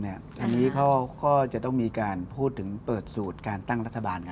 อันนี้เขาก็จะต้องมีการพูดถึงเปิดสูตรการตั้งรัฐบาล